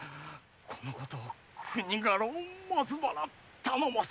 このことを国家老・松原頼母様に！